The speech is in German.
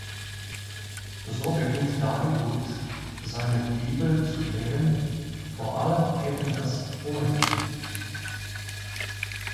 So beginnt David Ruth „seine“ Bibel zu lehren, vor allem eben das Hohelied.